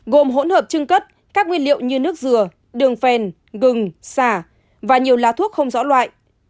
gồm hỗn hợp trưng cất các nguyên liệu như nước dừa đường phèn gừng xả và nhiều lá thuốc không rõ loại